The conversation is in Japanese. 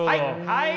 はい！